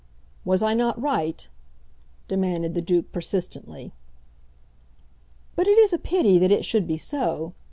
Was I not right?" demanded the Duke persistently. "But it is a pity that it should be so.